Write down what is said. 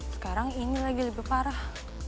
sekarang ini lagi lebih parah